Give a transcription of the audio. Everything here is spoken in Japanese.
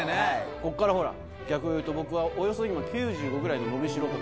ここからほら逆を言うと僕はおよそ今９５ぐらいの伸びしろを抱えてますから。